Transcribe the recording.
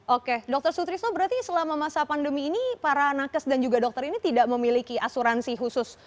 oke dr sutrisno berarti selama masa pandemi ini para nakes dan juga dokter ini tidak memiliki asuransi khusus